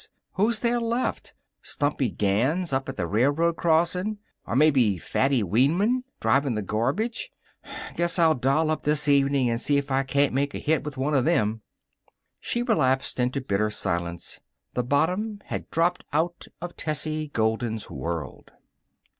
Who's there left? Stumpy Gans, up at the railroad crossing? Or maybe Fatty Weiman, driving the garbage. Guess I'll doll up this evening and see if I can't make a hit with one of them." She relapsed into bitter silence. The bottom had dropped out of Tessie Golden's world.